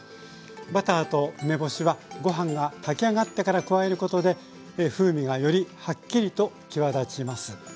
バターと梅干しはご飯が炊き上がってから加えることで風味がよりはっきりと際立ちます。